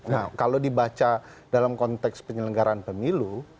nah kalau dibaca dalam konteks penyelenggaraan pemilu